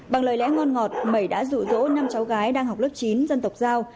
bằng lời lẽ ngon ngọt mẩy đã rủ rỗ năm cháu gái đang học lớp chín dân tộc giao